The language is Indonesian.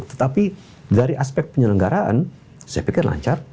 tetapi dari aspek penyelenggaraan saya pikir lancar